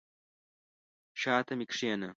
شاته مي کښېنه !